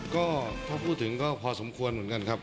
ก็ถ้าพูดถึงก็พอสมควรเหมือนกันครับ